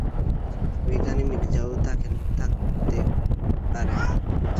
ঐখানে মির্জাও থাকতে পারবেনা।